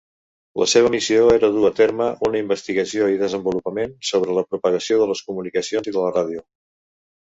La seva missió era dur a terme una investigació i desenvolupament sobre la propagació de les comunicacions i de la ràdio.